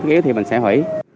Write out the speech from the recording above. yếu thì mình sẽ hủy